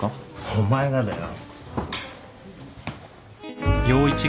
お前がだよ。